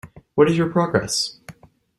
What is your progress?